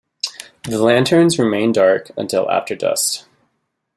The lanterns remain dark until after dusk.